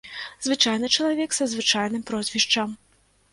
Звычайны чалавек са звычайным прозвішчам.